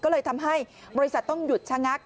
ก็เลยทำให้บริษัทต้องหยุดชะงัก